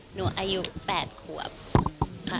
หนูอายุแปดหัวค่ะ